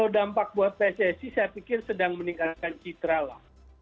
kalau dampak buat pssi saya pikir sedang meningkatkan citra lah